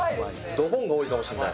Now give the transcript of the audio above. ドボンが多いかもしれない。